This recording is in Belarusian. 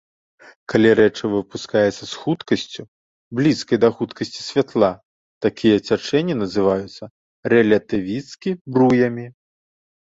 Калі рэчыва выпускаецца з хуткасцю, блізкай да хуткасці святла, такія цячэнні называюцца рэлятывісцкі бруямі.